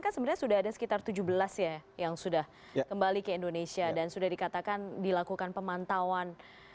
karena sebenarnya sudah ada sekitar tujuh belas ya yang sudah kembali ke indonesia dan sudah dikatakan dilakukan pemantauan